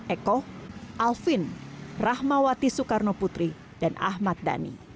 eko alfin rahmawati soekarnoputri dan ahmad dhani